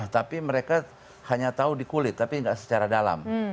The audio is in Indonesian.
tapi mereka hanya tahu di kulit tapi tidak secara dalam